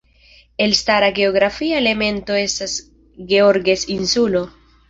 Elstara geografia elemento estas Georges Insulo.